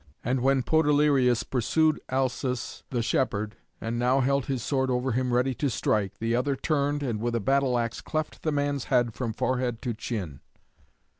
And when Podalirius pursued Alsus the shepherd, and now held his sword over him ready to strike, the other turned, and with a battle axe cleft the man's head from forehead to chin.